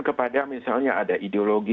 kepada misalnya ada ideologi